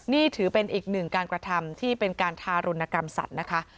นี่ถือเป็นอีกหนึ่งการกระทำที่เป็นการทารุณกรรมสัตว์นะคะ